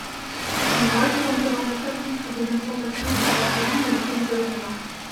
Ouvrages contenant des chapitres ou des informations sur Lorient ou le pays de Lorient.